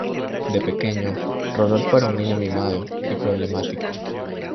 De pequeño, Rodolfo era un niño mimado y problemático.